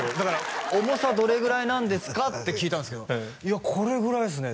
重さどれぐらいなんですか？って聞いたんですけど「いやこれぐらいっすね」